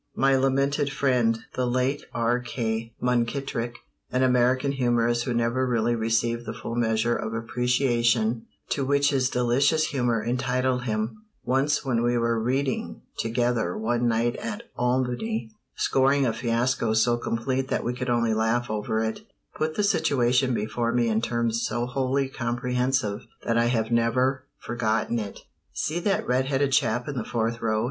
My lamented friend, the late R. K. Munkittrick, an American humorist who never really received the full measure of appreciation to which his delicious humor entitled him, once when we were "reading" together one night at Albany, scoring a fiasco so complete that we could only laugh over it, put the situation before me in terms so wholly comprehensive that I have never forgotten it. "See that red headed chap in the fourth row?"